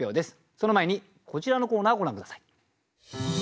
その前にこちらのコーナーをご覧下さい。